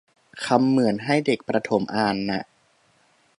คำเหมือนให้เด็กประถมอ่านน่ะ